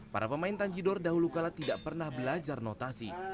para pemain tanjidor dahulu kala tidak pernah belajar notasi